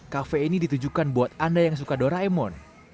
kafe ini ditujukan buat anda yang suka doraemon